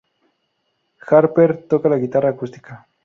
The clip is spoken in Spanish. Harper toca la guitarra acústica.